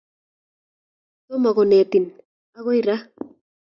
Tomokonetin akoi ra